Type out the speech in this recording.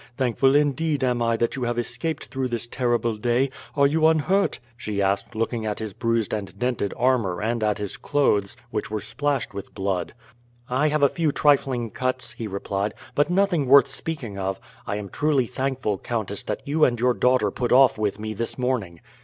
Thankful indeed am I that you have escaped through this terrible day. Are you unhurt?" she asked, looking at his bruised and dented armour and at his clothes, which were splashed with blood. "I have a few trifling cuts," he replied, "but nothing worth speaking of. I am truly thankful, countess, that you and your daughter put off with me this morning."